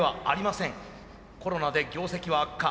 コロナで業績は悪化。